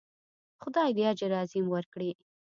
خدای دې اجر عظیم ورکړي.